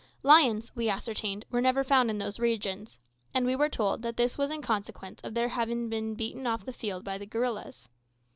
Lions, we ascertained, were never found in those regions, and we were told that this was in consequence of their having been beaten off the field by gorillas.